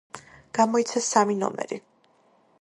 გამოიცა სამი ნომერი.